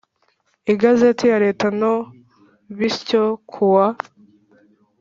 Igazeti ya Leta no bis yo ku wa